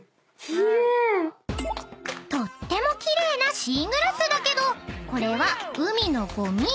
［とっても奇麗なシーグラスだけどこれは海のゴミ］